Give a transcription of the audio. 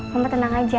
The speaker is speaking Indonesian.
mama tenang aja